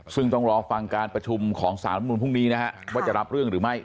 ซึ่งต้องรอฟังการประชุมของสารรัฐมนุนพรุ่งนี้นะฮะว่าจะรับเรื่องหรือไม่